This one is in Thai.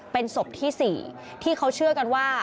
เป็นศพที่๔ที่เขาเชื่อกันว่า